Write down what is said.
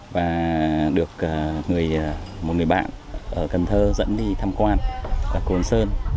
và được một người bạn ở cần thơ dẫn đi tham quan cộng sơn